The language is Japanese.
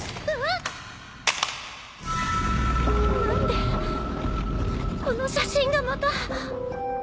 何でこの写真がまた。